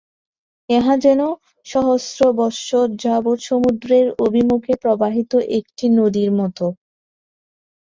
ইহা যেন সহস্র বৎসর যাবৎ সমুদ্রের অভিমুখে প্রবাহিত একটি নদীর মত।